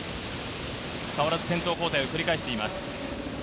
変わらず先頭交代を繰り返しています。